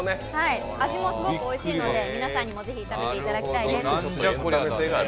味もすごくおいしいので皆さんにもぜひ食べていただきたいです。